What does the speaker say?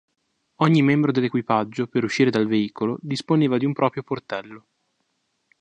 Ogni membro dell'equipaggio, per uscire dal veicolo, disponeva di un proprio portello.